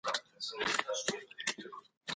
که خلګ سوله وکړي، امن راځي.